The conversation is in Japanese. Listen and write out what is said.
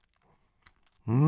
うん！